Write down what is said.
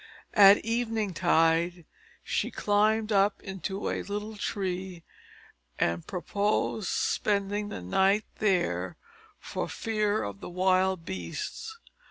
At evening tide she climbed up into a little tree, and purposed spending the night there, for fear of the wild beasts.